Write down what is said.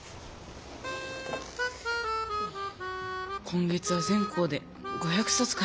今月は全校で５００さつ